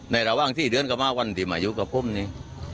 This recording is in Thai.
ในระวังที่เดือนเข้ามาวันที่มาอยู่กับผมนี่